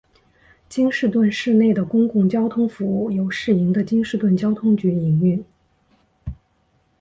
京士顿市内的公共交通服务由市营的京士顿交通局营运。